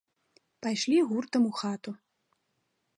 Пайшлі гуртам у хату.